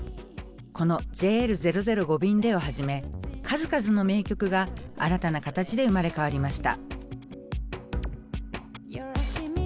この「ＪＬ００５便で」をはじめ数々の名曲が新たな形で生まれ変わりました。